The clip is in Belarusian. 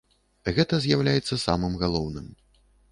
Гэта з'яўляецца самым галоўным.